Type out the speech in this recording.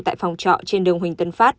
tại phòng trọ trên đường huỳnh tân phát